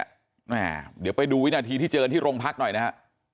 แม่เดี๋ยวไปดูวินาทีที่เจอที่โรงพักหน่อยนะฮะ